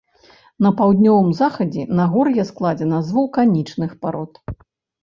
На паўднёвым захадзе нагор'е складзена з вулканічных парод.